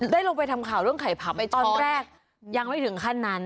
ได้ลงไปทำข่าวเรื่องไข่ผำตอนแรกยังไม่ถึงขั้นนั้น